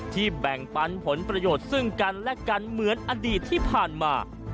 แบ่งปันผลประโยชน์ซึ่งกันและกันเหมือนอดีตที่ผ่านมา